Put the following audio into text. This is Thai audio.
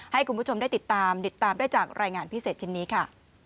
ให้คุณผู้ชมได้ติดตามติดตามได้จากรายงานพิเศษชิ้นนี้ค่ะ